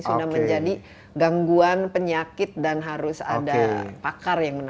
sudah menjadi gangguan penyakit dan harus ada pakar yang menarik